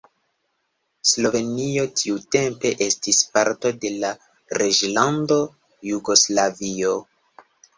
Slovenio tiutempe estis parto de la Reĝlando Jugoslavio.